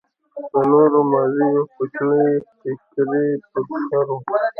د نورو مازې يو کوچنى ټيکرى پر سر و.